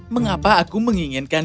mengapa aku menginginkan